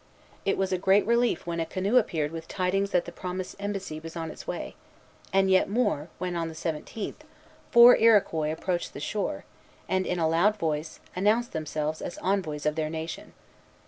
It was a great relief when a canoe appeared with tidings that the promised embassy was on its way; and yet more, when, on the seventeenth, four Iroquois approached the shore, and, in a loud voice, announced themselves as envoys of their nation.